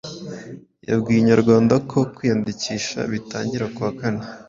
yabwiye Inyarwanda ko kwiyandikisha bitangira kuwa kane